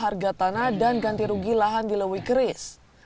harga tanah dan ganti rugi lahan di lewikris